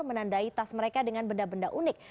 menandai tas mereka dengan benda benda unik